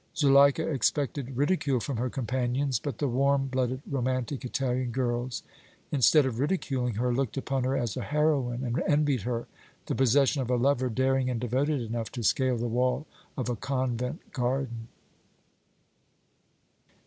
Zuleika expected ridicule from her companions, but the warm blooded, romantic Italian girls, instead of ridiculing her, looked upon her as a heroine and envied her the possession of a lover daring and devoted enough to scale the wall of a convent garden.